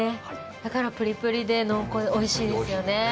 だからプリプリで濃厚でおいしいですよね。